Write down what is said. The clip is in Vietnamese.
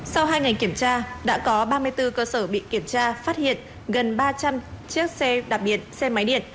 sau hai ngày kiểm tra đã có ba mươi bốn cơ sở bị kiểm tra phát hiện gần ba trăm linh chiếc xe đạp điện xe máy điện